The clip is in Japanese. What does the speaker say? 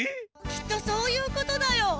きっとそういうことだよ！